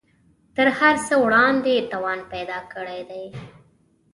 تر هر څه وړاندې توان پیدا کړی دی